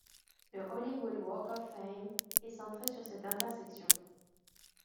Le Hollywood Walk of Fame est centrée sur cette intersection.